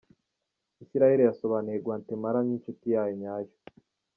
Isiraheli yasobanuye Gwatemala nk’ "inshuti nyayo".